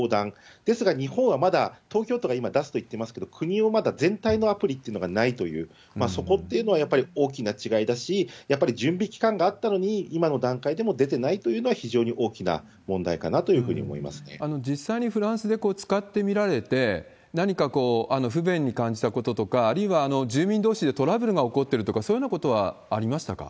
ですが、まだ東京都が今出すと言ってますけど、国のまだ全体のアプリっていうのがないというそこというのはやっぱり大きな違いだし、やっぱり準備期間があったのに、今の段階でも出てないというのは、非常に大きな問題かなというふうに思いま実際にフランスでこれ使ってみられて、何か不便に感じたこととか、あるいは住民どうしでトラブルが起こってるとか、そういうようなことはありましたか？